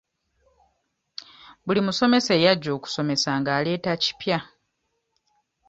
Buli musomesa eyajja okusomesa ng'aleeta kipya.